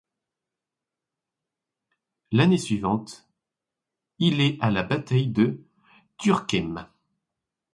L'année suivante, il est à la bataille de Turckheim.